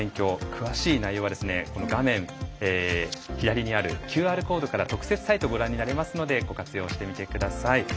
詳しい内容は画面左にあるＱＲコードから特設サイトをご覧になれますのでご活用してみてください。